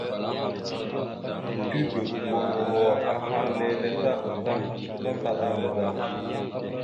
Tigəɗokoloro ahaŋ leele ta azlam tandaɗaba da.